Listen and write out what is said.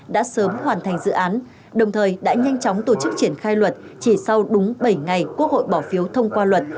đã sớm hoàn thành dự án đồng thời đã nhanh chóng tổ chức triển khai luật chỉ sau đúng bảy ngày quốc hội bỏ phiếu thông qua luật